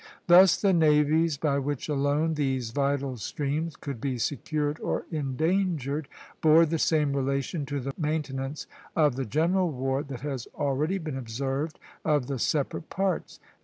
Thus the navies, by which alone these vital streams could be secured or endangered, bore the same relation to the maintenance of the general war that has already been observed of the separate parts.